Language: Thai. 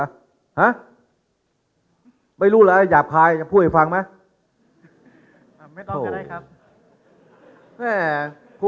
ห้าไม่รู้หรอกหยาบคายพูดให้ฟังมั้ยไม่ต้องก็ได้ครับ